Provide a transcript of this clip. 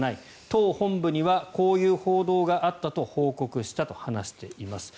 党本部にはこういう報道があったと報告したと話しています。